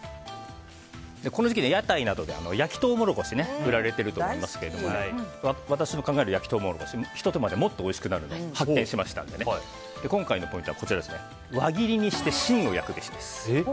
この時期、屋台などで焼きトウモロコシが売られていると思いますけど私の考える焼きトウモロコシはひと手間でもっとおいしくなるのを発見しましたので今回のポイントは輪切りにして芯を焼くべしです。